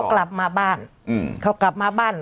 กลับมาบ้านเขากลับมาบ้าน